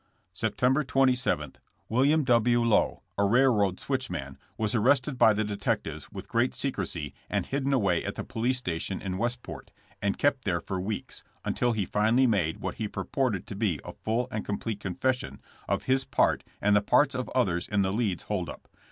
September 27, William W. Lowe, a railroad switchman, was arrested by the detectives with great secrecy and hidden away at the police station in Westport, and kept there for weeks, until he finally made what he purported to be a full and complete confession of his part and the part of others in the Leeds hold up.